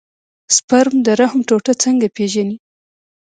سپرم د رحم ټوټه څنګه پېژني.